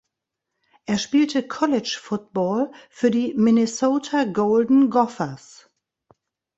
Er spielte College Football für die Minnesota Golden Gophers.